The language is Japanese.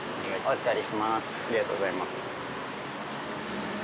ありがとうございます。